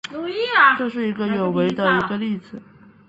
这是有违的一个例子。